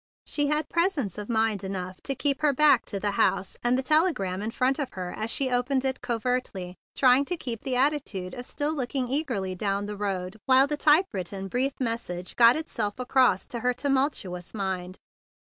She had presence of mind enough to keep her back to the house and the telegram in front of her as she opened it covertly, trying to keep the attitude of still look¬ ing eagerly down the road, while the typewritten brief message got itself across to her tumultuous mind.